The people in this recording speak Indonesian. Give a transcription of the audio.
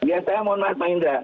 ya saya mohon maaf pak indra